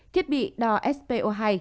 thiết bị đo spo hai